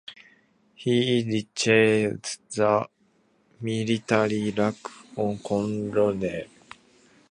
He reached the military rank of Colonel.